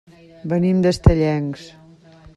Venim d'Estellencs.